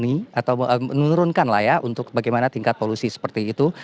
mengurangi atau menurunkan lah ya untuk bagaimana tingkat polusi seperti itu